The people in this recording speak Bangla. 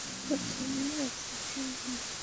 খাবার তৈরি আছে খেয়ে যাও।